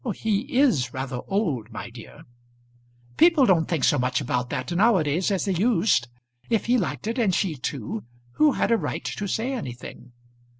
"He is rather old, my dear." "People don't think so much about that now a days as they used. If he liked it, and she too, who had a right to say anything?